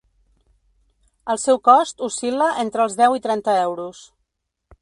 El seu cost oscil·la entre els deu i trenta euros.